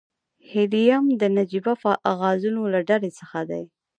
هیلیم د نجیبه غازونو له ډلې څخه دی.